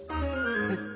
えっ？